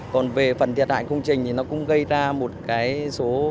còn về phần thiệt hại công trình thì nó cũng gây ra một số tiền cũng tương đối rất là mất nhiều công